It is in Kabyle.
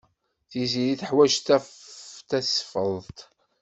Tiziri teḥwaj tasfeḍt.